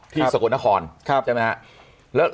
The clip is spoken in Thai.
ที่สะกดนครใช่ไหมครับ